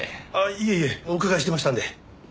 いえいえお伺いしてましたんで。